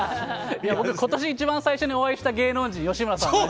僕、今年一番最初にお会いした芸能人が吉村さんで。